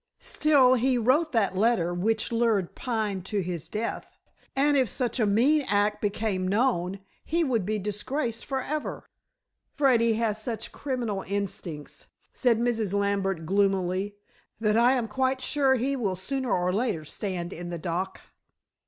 Still, he wrote that letter which lured Pine to his death, and if such a mean act became known, he would be disgraced forever." "Freddy has such criminal instincts," said Mrs. Lambert gloomily, "that I am quite sure he will sooner or later stand in the dock."